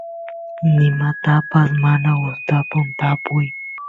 nimatapas mana gustapun tapuy